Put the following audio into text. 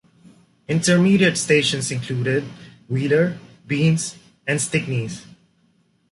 Intermediate stations included Wheeler, Beans, and Stickneys.